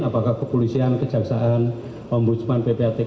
apakah kepolisian kejaksaan pemburujaman ppb